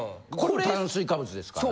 炭水化物ですからね。